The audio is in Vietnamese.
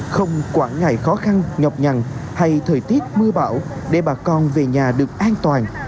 không quản ngại khó khăn nhọc nhằn hay thời tiết mưa bão để bà con về nhà được an toàn